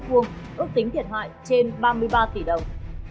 ước tính thiệt hại trên ba mươi ba tỷ đồng